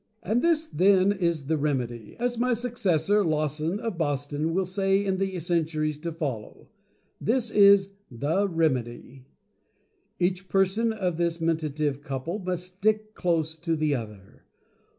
"And this then is the Remedy (as my successor, Lawson of Boston, will say in the centuries to follow) —this is THE REMEDY. Each person of this Men tative Couple must stick close to the other.